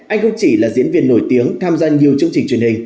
anh không chỉ là diễn viên nổi tiếng tham gia nhiều chương trình truyền hình